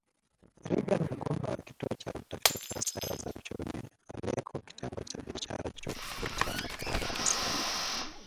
Reagan Mugume wa Kituo cha Utafiti wa Sera za Uchumi, aliyeko Kitengo cha Biashara Chuo Kikuu cha Makerere alisema